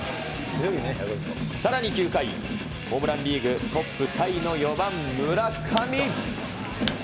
さらに９回、ホームランリーグトップタイの４番村上。